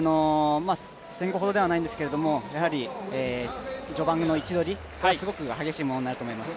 １５００ほどではないんですけれども、序盤の位置取りがすごく激しいものになると思います。